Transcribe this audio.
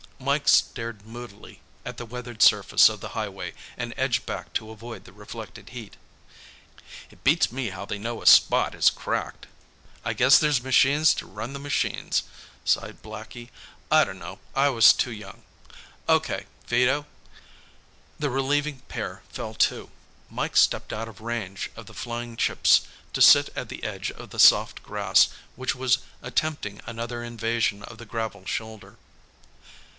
Mike stared moodily at the weathered surface of the highway and edged back to avoid the reflected heat. "It beats me how they know a spot has cracked." "I guess there's machines to run the machines," sighed Blackie. "I dunno; I was too young. Okay, Vito?" The relieving pair fell to. Mike stepped out of range of the flying chips to sit at the edge of the soft grass which was attempting another invasion of the gravel shoulder.